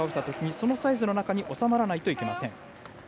そのサイズの中に収まらないといけません。